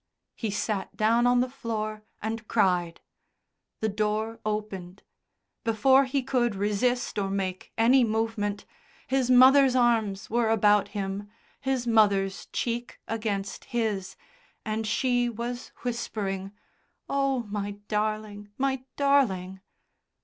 He sat down on the floor and cried. The door opened; before he could resist or make any movement, his mother's arms were about him, his mother's cheek against his, and she was whispering: "Oh, my darling, my darling!"